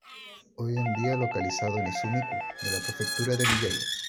Hoy en día localizado en Izumi-ku, de la prefectura de Miyagi.